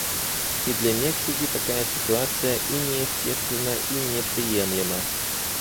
И для Мексики такая ситуация и не естественна, и не приемлема.